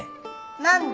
何で？